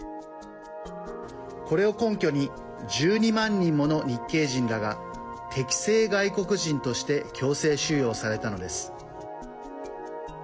これを根拠に１２万人もの日系人らが敵性外国人として強制収容されたのです。